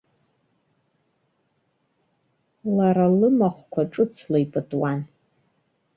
Лара лымахәқәа ҿыцла ипытуан.